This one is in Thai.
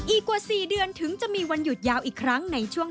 อีกกว่า๔เดือนถึงจะมีวันหยุดยาวอีกครั้งในช่วง